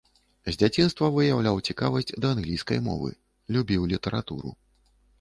З дзяцінства выяўляў цікавасць да англійскай мовы, любіў літаратуру.